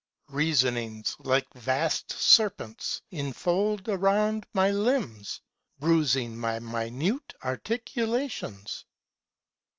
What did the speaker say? Reasonings like vast SerpentsEnfold around my limbs, bruising my minute articulations.